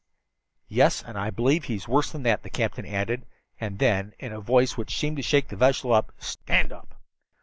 "Yes, and I believe he's worse than that," the captain added; and then, in a voice which seemed to shake the vessel: "Stand up!"